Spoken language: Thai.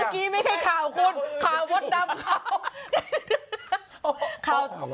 เมื่อกี้ไม่ใช่ข่าวคุณข่าวมดดำข่าว